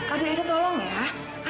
aduh edo tolong ya